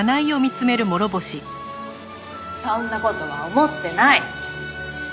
そんな事は思ってない！